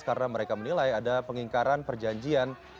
karena mereka menilai ada pengingkaran perjanjian